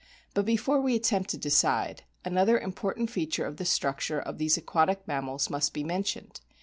But before we attempt to decide, another important feature of the structure of these aquatic mammals must be mentioned.